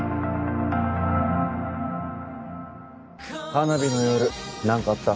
花火の夜何かあった？